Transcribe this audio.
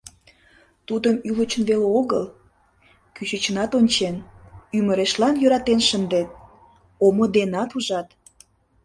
Тудым ӱлычын веле огыл, кӱшычынат ончен, ӱмырешлан йӧратен шындет, омо денат ужат.